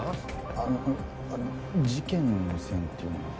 あの事件の線っていうのは？